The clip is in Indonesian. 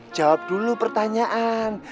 jawab dulu pertanyaan